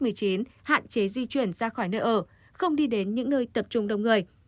và di chuyển ra khỏi nơi ở không đi đến những nơi tập trung đông người